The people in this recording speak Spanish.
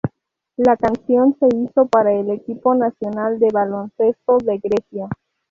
La canción se hizo para el equipo nacional de baloncesto de Grecia.